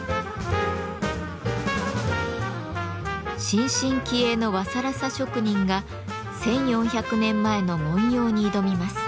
新進気鋭の和更紗職人が１，４００年前の文様に挑みます。